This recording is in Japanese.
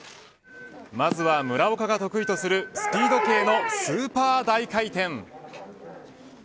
まずは村岡が得意とするスピード系のスーパー大回転。